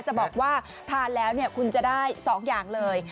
จะบอกว่าทานแล้วคุณจะได้๒อย่างเลย